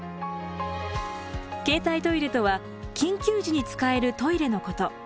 携帯トイレとは緊急時に使えるトイレのこと。